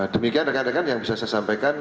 demikian rekan rekan yang bisa saya sampaikan